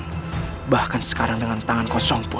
saya tahanaccord pasti mereka bisa mengangkat muda bacawanmu